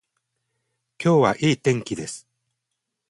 今日はいい天気です。